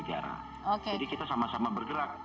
jadi kita sama sama bergerak